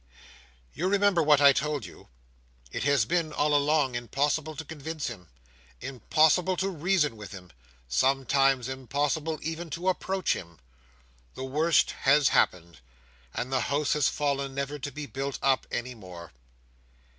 You remember what I told you. It has been, all along, impossible to convince him; impossible to reason with him; sometimes, impossible even to approach him. The worst has happened; and the House has fallen, never to be built up any more."